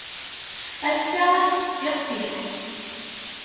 Ass-a ad d-tettiqsiḥ.